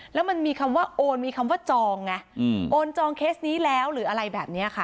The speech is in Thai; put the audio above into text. แล้วมันมีคำว่าโอนมีคำว่าจองไงโอนจองเคสนี้แล้วหรืออะไรแบบนี้ค่ะ